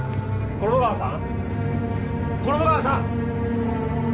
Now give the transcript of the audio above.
衣川さん！